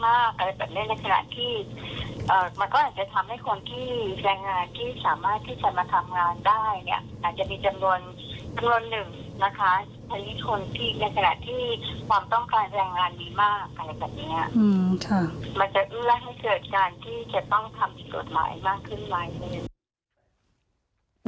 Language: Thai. มันจะเอื้อและให้เกิดการที่จะต้องทำกฎหมายมากขึ้นมากขึ้น